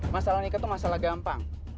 masalah nikah itu masalah gampang